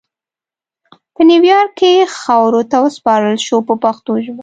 په نیویارک کې خاورو ته وسپارل شو په پښتو ژبه.